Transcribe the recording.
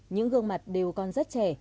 những gương mặt đều còn rất trẻ